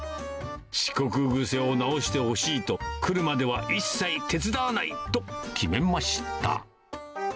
遅刻癖を直してほしいと、車では一切手伝わないと決めました。